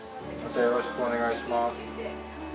よろしくお願いします。